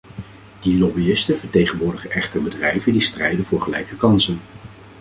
Die lobbyisten vertegenwoordigen echter bedrijven die strijden voor gelijke kansen.